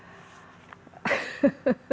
politik politik dan lain